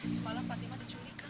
semalam fatimah diculik kak